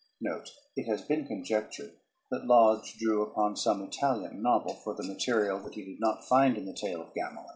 [Footnote 1: It has been conjectured that Lodge drew upon some Italian novel for the material that he did not find in "The Tale of Gamelyn."